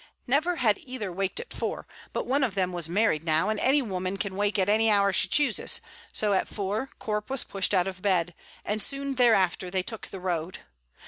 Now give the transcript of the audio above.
Never had either waked at four; but one of them was married now, and any woman can wake at any hour she chooses, so at four Corp was pushed out of bed, and soon thereafter they took the road.